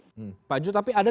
tahun ini pak ju tapi ada